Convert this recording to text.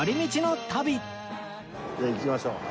じゃあ行きましょう。